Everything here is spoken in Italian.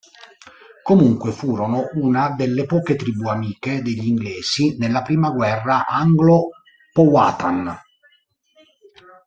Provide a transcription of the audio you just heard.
Comunque, furono una delle poche tribù amiche degli inglesi nella prima guerra anglo-powhatan.